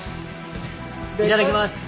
いただきます。